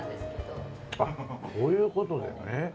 あっそういう事でね。